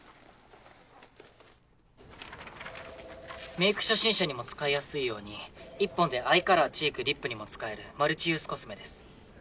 メイク初心者にも使いやすいように１本でアイカラーチークリップにも使えるマルチユースコスメです。